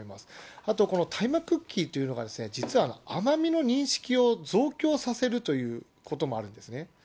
あとこの大麻クッキーというのが、実は甘みの認識を増強させるということもあるんですね。